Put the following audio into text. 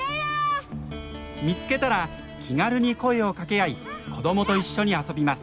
見つけたら気軽に声をかけ合い子どもと一緒に遊びます。